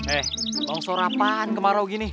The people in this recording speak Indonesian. eh longsor apaan kemarau gini